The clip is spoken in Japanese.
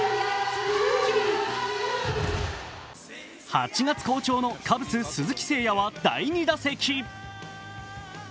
８月好調のカブス・鈴木誠也は第２打席。